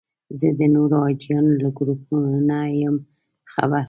زه د نورو حاجیانو له ګروپونو نه یم خبر.